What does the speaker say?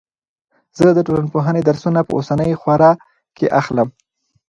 زه د ټولنپوهنې درسونه په اوسنۍ خوره کې اخلم.